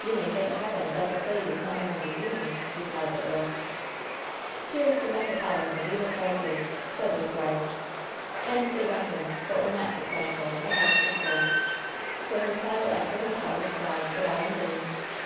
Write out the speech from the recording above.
"You may thank Heaven that the plague is not among the humans," replied the earl. WHEN SHADOWS DDE 73 "Here is the Metropolitan. We will try here/* said the squire. And they went in, but were not successful; the house was fulL So hotel after hotel was tried, but in vain.